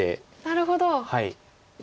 なるほど。